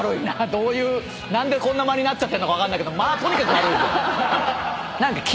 どういう何でこんな間になっちゃってるのか分かんないけど間とにかく悪いぞ。